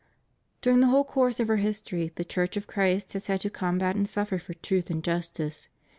During the whole course of her history the Church of Christ has had to combat and suffer for truth and justice.